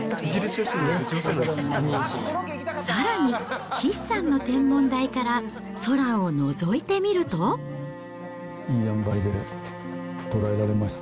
さらに、岸さんの天文台からいいあんばいで捉えられました。